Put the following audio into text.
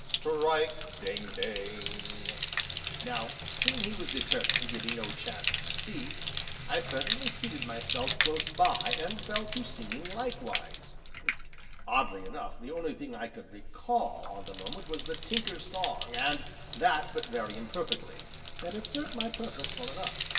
Strike! ding! ding!" Now seeing he was determined to give me no chance to speak, I presently seated myself close by, and fell to singing likewise. Oddly enough, the only thing I could recall, on the moment, was the Tinker's song, and that but very imperfectly; yet it served my purpose well enough.